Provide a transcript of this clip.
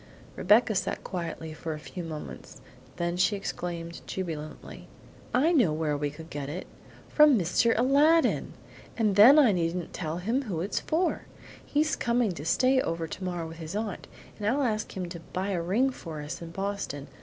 Rebecca sat quietly for a few moments, then she exclaimed jubilantly: "I know where we could get it! From Mr. Aladdin, and then I needn't tell him who it's for! He's coming to stay over tomorrow with his aunt, and I'll ask him to buy a ring for us in Boston.